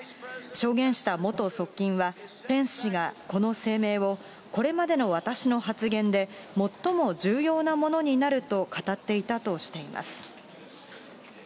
証言した元側近は、ペンス氏がこの声明をこれまでの私の発言で最も重要なものになると語っていたとしています。